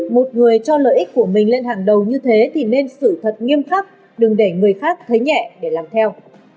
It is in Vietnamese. một người cho lợi ích của mình lên hàng đầu như thế thì nên xử thật nghiêm khắc đừng để người khác thấy nhẹ để làm theo